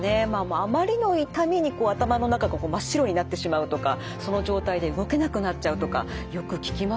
あまりの痛みに頭の中が真っ白になってしまうとかその状態で動けなくなっちゃうとかよく聞きますよね。